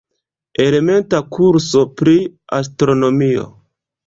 Elementa kurso pri astronomio.